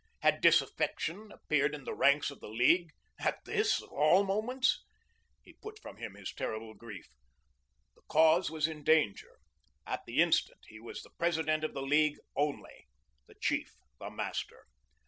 Had disaffection appeared in the ranks of the League at this, of all moments? He put from him his terrible grief. The cause was in danger. At the instant he was the President of the League only, the chief, the master.